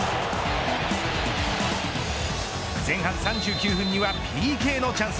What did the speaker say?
前半３９分にはＰＫのチャンス。